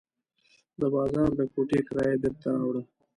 د بازار د کوټې کرایه یې بېرته راوړه.